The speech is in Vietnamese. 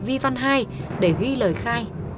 vi văn hai để ghi lời khai